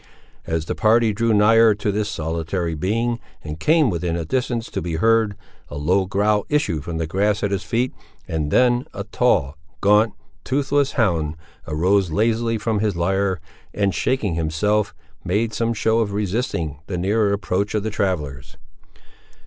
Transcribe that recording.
As the party drew nigher to this solitary being, and came within a distance to be heard, a low growl issued from the grass at his feet, and then, a tall, gaunt, toothless, hound, arose lazily from his lair, and shaking himself, made some show of resisting the nearer approach of the travellers.